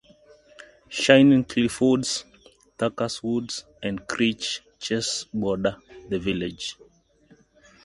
Shining Cliff woods, Thacker's woods and Crich Chase border the village.